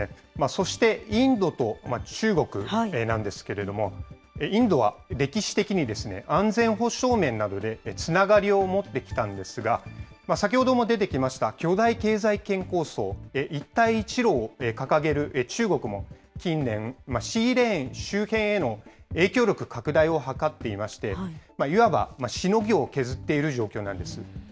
そしてインドと中国なんですけれども、インドは歴史的に安全保障面などでつながりを持ってきたんですが、先ほども出てきました巨大経済圏構想、一帯一路を掲げる中国も近年、シーレーン周辺への影響力拡大を図っていまして、いわばしのぎを削っている状況なんです。